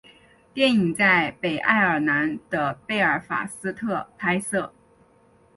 电影在北爱尔兰的贝尔法斯特拍摄。